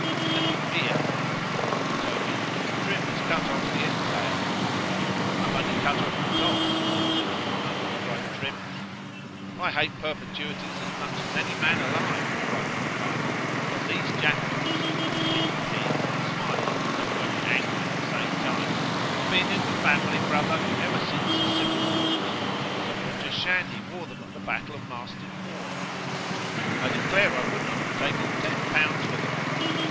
_ Then I fear, quoth my uncle Toby, Trim has cut off the entail.—I have only cut off the tops, an' please your honour, cried Trim——I hate perpetuities as much as any man alive, cried my father——but these jack boots, continued he (smiling, though very angry at the same time) have been in the family, brother, ever since the civil wars;——Sir Roger Shandy wore them at the battle of Marston Moor.—I declare I would not have taken ten pounds for them.